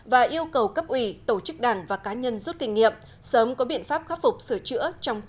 và yêu cầu cấp ủy tổ chức đảng và cá nhân rút kinh nghiệm sớm có biện pháp khắc phục sửa chữa trong thời gian tới